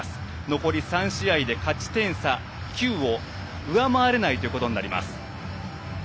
残り３試合で勝ち点差９を上回れないということになります。